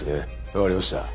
分かりました。